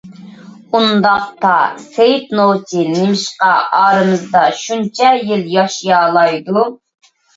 ئۇنداقتا سېيىت نوچى نېمىشقا ئارىمىزدا شۇنچە يىل ياشىيالايدۇ؟